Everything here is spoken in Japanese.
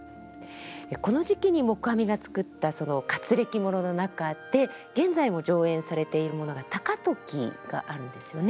この時期に黙阿弥が作った活歴物の中で現在も上演されているものが「高時」があるんですよね。